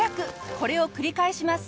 これを繰り返します。